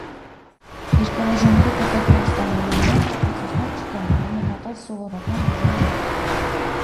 Երկարաժամկետ էֆեկտներ ստանալու համար ապացույցներ չկան, համեմատած սովորական բուժման հետ։